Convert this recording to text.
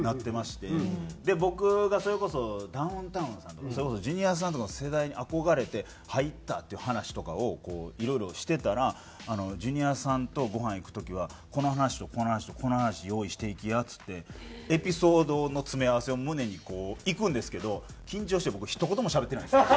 で僕がそれこそダウンタウンさんとかそれこそジュニアさんとかの世代に憧れて入ったっていう話とかをこういろいろしてたら「ジュニアさんとごはん行く時はこの話とこの話とこの話用意していきや」っつってエピソードの詰め合わせを胸にこう行くんですけど緊張して僕ひと言もしゃべってないんですよ